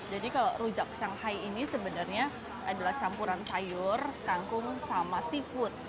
jadi kalau rujak sanghai ini sebenarnya adalah campuran sayur kangkung sama seafood